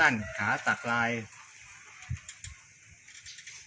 มันบอกโทรศัพท์ไม่มีเงินลุงมีโทร